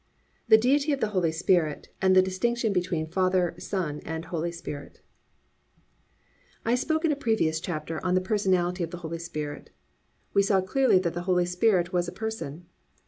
VII THE DEITY OF THE HOLY SPIRIT AND THE DISTINCTION BETWEEN THE FATHER, SON AND HOLY SPIRIT I spoke in a previous chapter on the personality of the Holy Spirit. We saw clearly that the Holy Spirit was a person.